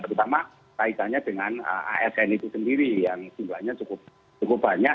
dan terutama kaitannya dengan asn itu sendiri yang jumlahnya cukup banyak